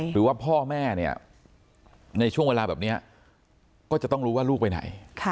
หรือว่าพ่อแม่เนี่ยในช่วงเวลาแบบนี้ก็จะต้องรู้ว่าลูกไปไหน